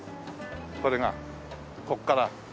これがここから。